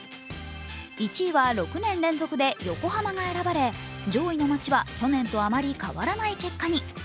１位は６年連続で横浜が選ばれ、上位の街は去年とあまり変わらない結果に。